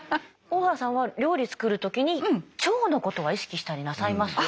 大原さんは料理作る時に腸のことは意識したりなさいます？